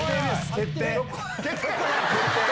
決定。